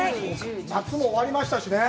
夏も終わりましたしね。